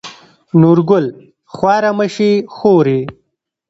نورګل: خواره مه شې خورې.